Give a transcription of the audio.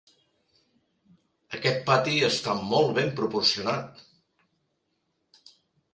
Aquest pati està molt ben proporcionat!